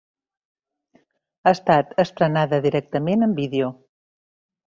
Ha estat estrenada directament en vídeo.